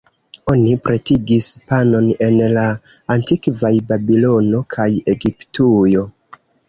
Oni pretigis panon en la antikvaj Babilono kaj Egiptujo.